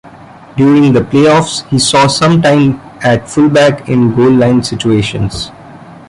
During the playoffs, he saw some time at fullback in goal line situations.